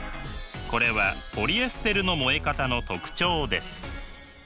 これはポリエステルの燃え方の特徴です。